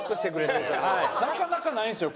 なかなかないんですよ